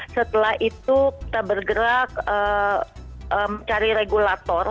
setelah itu kita bergerak mencari regulator